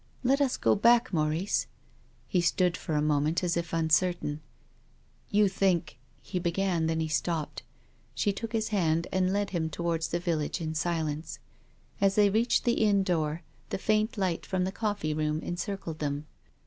"Let us go back, Maurice." He stood for a moment as if uncertain. " You think —" he began, then he stopped. She took his hand and led him towards the village in silence. As they reached the inn door, the faint light from the coffee room encircled them.